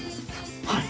はい！